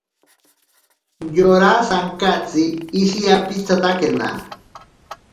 Yora sankatsi ishiyapitsatakena.